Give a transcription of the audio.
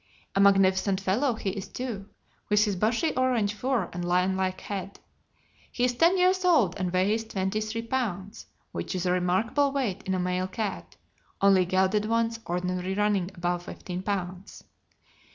A magnificent fellow he is too, with his bushy orange fur and lionlike head. He is ten years old and weighs twenty three pounds, which is a remarkable weight in a male cat, only gelded ones ordinarily running above fifteen pounds.